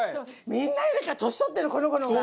みんなよりか、年取ってるこの子の方が。